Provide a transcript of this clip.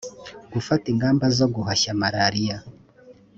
gufata ingamba zo guhashya malaria